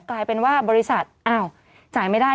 กลายเป็นว่าบริษัทอ้าวจ่ายไม่ได้